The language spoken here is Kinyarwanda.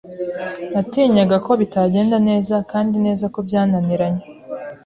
Natinyaga ko bitagenda neza kandi neza ko byananiranye.